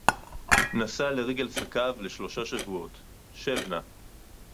נסע לרגל עסקיו לשלושה שבועות. שב נא.